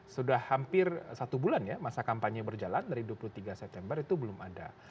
sudah hampir satu bulan ya masa kampanye berjalan dari dua puluh tiga september itu belum ada